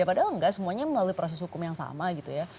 padahal enggak semuanya melalui proses hukum yang sama gitu ya